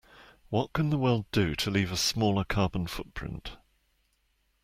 What can the world do to leave a smaller carbon footprint?